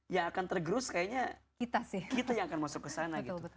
yang akan tergerus kayaknya kita yang akan masuk ke sana gitu